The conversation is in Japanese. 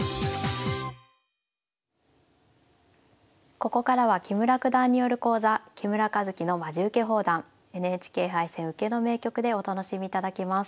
ここからは木村九段による講座「木村一基のまじウケ放談ＮＨＫ杯戦・受けの名局」でお楽しみいただきます。